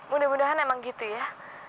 mudah mudahan emang gitu ya